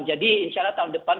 jadi insya allah tahun depan